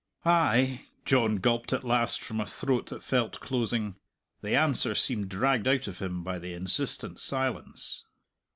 "Ay," John gulped at last from a throat that felt closing. The answer seemed dragged out of him by the insistent silence.